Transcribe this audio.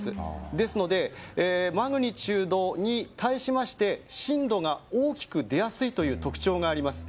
ですのでマグニチュードに対して震度が大きく出やすいという特徴があります。